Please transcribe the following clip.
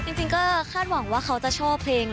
จริงก็คาดหวังว่าเขาจะชอบเพลง